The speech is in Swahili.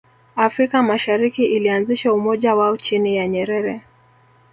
afrika mashariki ilianzisha umoja wao chini ya nyerere